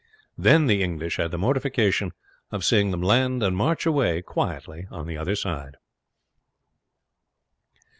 Then the English had the mortification of seeing them land and march away quietly on the other side.